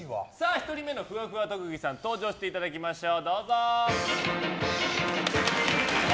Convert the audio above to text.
１人目のふわふわ特技さん登場していただきましょう。